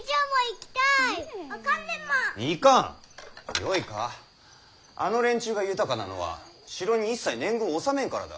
よいかあの連中が豊かなのは城に一切年貢を納めんからだ。